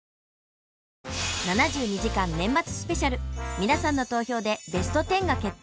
皆さんの投票でベスト１０が決定！